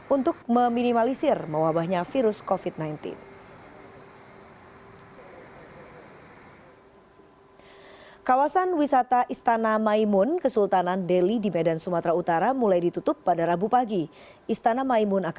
untuk meminimalisir penyebaran covid sembilan belas di seluruh wilayah tersebut